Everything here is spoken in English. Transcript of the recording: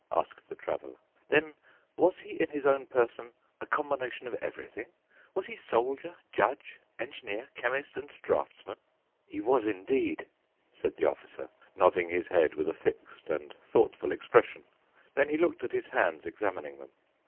asked the Traveler. "Then was he in his own person a combination of everything? Was he soldier, judge, engineer, chemist, and draftsman?" "He was indeed," said the Officer, nodding his head with a fixed and thoughtful expression. Then he looked at his hands, examining them.